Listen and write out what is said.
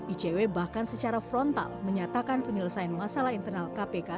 icw bahkan secara frontal menyatakan penyelesaian masalah internal kpk